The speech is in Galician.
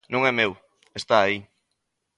Non é meu, está aí.